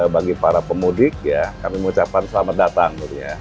bagi para pemudik ya kami mengucapkan selamat datang